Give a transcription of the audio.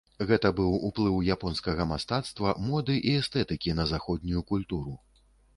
Гэта быў уплыў японскага мастацтва, моды і эстэтыкі на заходнюю культуру.